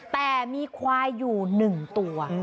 แต่มีควายอยู่หนึ่งตัว